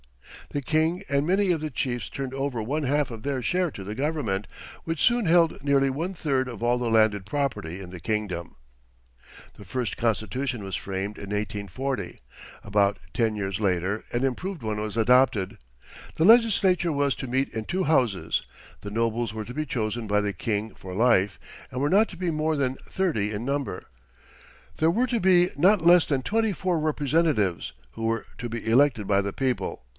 The King and many of the chiefs turned over one half of their share to the Government, which soon held nearly one third of all the landed property in the kingdom. The first constitution was framed in 1840. About ten years later an improved one was adopted. The legislature was to meet in two houses. The nobles were to be chosen by the King for life, and were not to be more than thirty in number. There were to be not less than twenty four representatives, who were to be elected by the people.